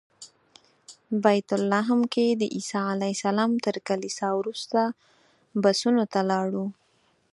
بیت لحم کې د عیسی علیه السلام تر کلیسا وروسته بسونو ته لاړو.